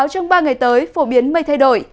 trong ba ngày tới phổ biến mây thay đổi